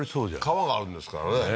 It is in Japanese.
川があるんですからね